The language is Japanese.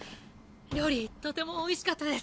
料理とてもおいしかったです。